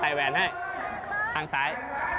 ใส่แวนให้ข้างซ้าย